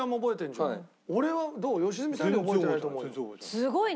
すごいね！